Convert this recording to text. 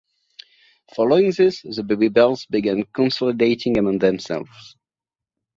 Following this, the Baby Bells began consolidating amongst themselves.